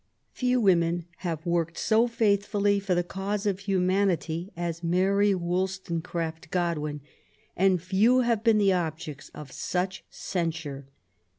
Few women have worked so faithfully for the cause of humanity as Mary WoUstonecraft Godwin, and few have been the objects of such censure.